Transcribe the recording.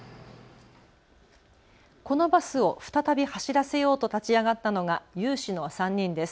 このバスを再び走らせようと立ち上がったのが有志の３人です。